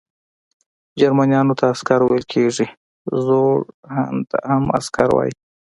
جرمنیانو ته عسکر ویل کیږي، زوړ هن ته هم عسکر وايي.